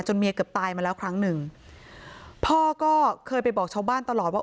เมียเกือบตายมาแล้วครั้งหนึ่งพ่อก็เคยไปบอกชาวบ้านตลอดว่า